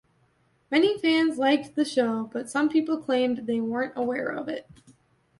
Many fans liked the show, but some people claimed they weren't aware of it.